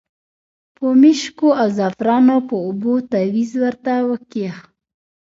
په مشکو او زعفرانو په اوبو تاویز ورته وکیښ.